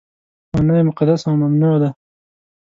معنا یې مقدس او ممنوع ده.